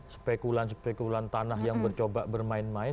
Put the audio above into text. spekulan spekulan tanah yang mencoba bermain main